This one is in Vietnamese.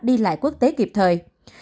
đi lại quốc tế kịp thời